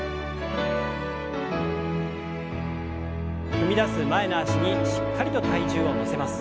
踏み出す前の脚にしっかりと体重を乗せます。